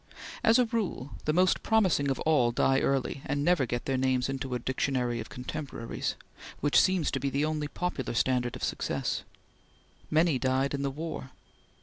As a rule the most promising of all die early, and never get their names into a Dictionary of Contemporaries, which seems to be the only popular standard of success. Many died in the war.